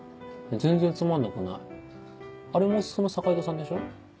全然つまんなくないあれも素の坂井戸さんでしょ？